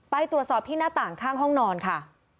ไปตรวจสอบที่หน้าต่างข้างห้องนอนค่ะ